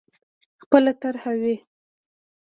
خپله طرح وي.